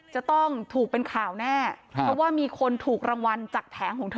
จะต้องถูกเป็นข่าวแน่เพราะว่ามีคนถูกรางวัลจากแผงของเธอ